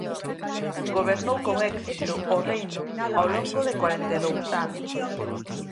Gobernou con éxito o reino ao longo de corenta e dous anos.